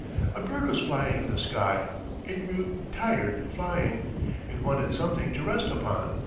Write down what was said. A bird was flying in the sky. It grew tired flying. It wanted something to rest upon.